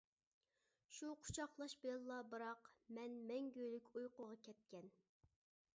شۇ قۇچاقلاش بىلەنلا بىراق، مەن مەڭگۈلۈك ئۇيقۇغا كەتكەن.